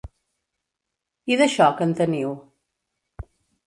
I d'això, que en teniu?